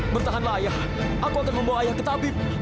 bertahanlah ayah aku akan membawa ayah ke tabib